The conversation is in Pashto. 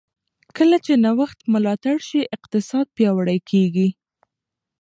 کله چې نوښت ملاتړ شي، اقتصاد پیاوړی کېږي.